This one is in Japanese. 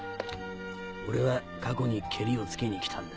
俺は過去にケリをつけに来たんだ。